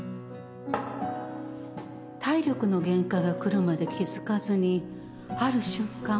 体力の限界が来るまで気付かずにある瞬間